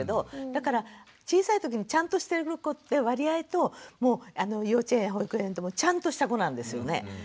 だから小さいときにちゃんとしてる子って割合と幼稚園保育園でもちゃんとした子なんですよね。